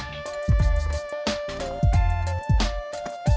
nenek ambil sarapan